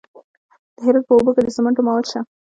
د هرات په اوبې کې د سمنټو مواد شته.